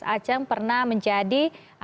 aceng pernah menjadi anggota divisi peneliti